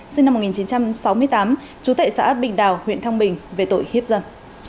sinh năm một nghìn chín trăm sáu mươi tám trú tại xã bình đào huyện thăng bình về tội hiếp dâm